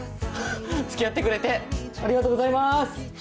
付き合ってくれてありがとうございます！